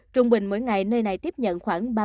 trung bình mỗi ngày nơi này tiếp nhận khoảng ba mươi bệnh